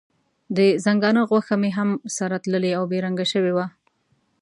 د ځنګانه غوښه مې هم سره تللې او بې رنګه شوې وه.